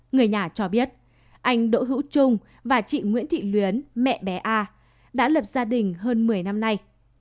người nhà cho biết anh đỗ hữu trung và chị nguyễn thị luyến mẹ bé a đã lập gia đình hơn một mươi năm nay